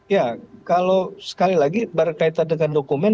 ya kalau sekali lagi berkaitan dengan dokumen